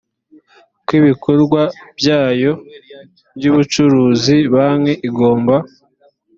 kw ibikorwa byayo by ubucuruzi banki igomba